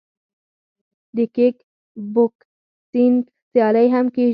د کیک بوکسینګ سیالۍ هم کیږي.